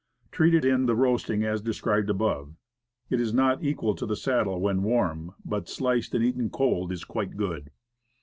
Treat it in the roasting as de scribed above. It is not equal to the saddle when warm, but sliced and eaten cold, is quite as good.